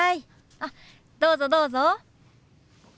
あっどうぞどうぞ。